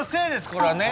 これはね。